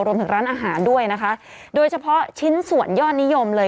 รวมถึงร้านอาหารด้วยนะคะโดยเฉพาะชิ้นส่วนยอดนิยมเลย